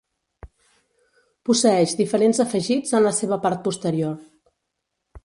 Posseeix diferents afegits en la seva part posterior.